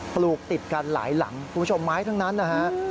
ปลูกติดกันหลายหลังคุณผู้ชมไม้ทั้งนั้นนะฮะ